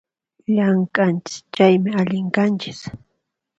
Llamk'anchis chaymi, allin kanchis